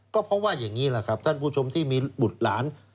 ก็เพราะว่าอย่างนี้แหละครับท่านผู้ชมที่มีบุตรหลาน